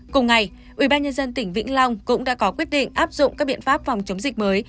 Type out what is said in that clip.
cùng ngày ubnd tỉnh vĩnh long cũng đã có quyết định áp dụng các biện pháp phòng chống dịch mới